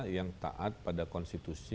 yang taat pada konstitusi